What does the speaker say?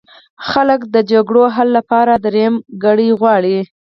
خلک د شخړو حل لپاره درېیمګړی غواړي.